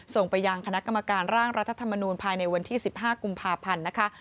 ส่งไปยังคณะกรรมการร่างรัฐธรรมนูลภายในวันที่๑๕กุมภาพันธ์นะคะ